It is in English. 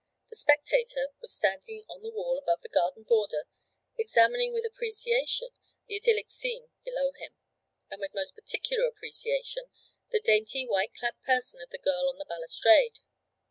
The spectator was standing on the wall above the garden border examining with appreciation the idyllic scene below him, and with most particular appreciation, the dainty white clad person of the girl on the balustrade.